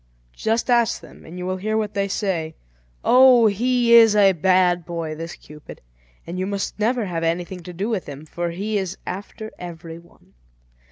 Just ask them, and you will hear what they say. Oh! he is a bad boy, this Cupid, and you must never have anything to do with him, for he is after every one.